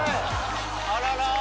あらら？